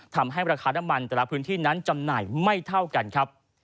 ทำให้ราคาน้ำมันแต่ละพื้นที่นั้นจำหน่ายไม่เท่ากันครับ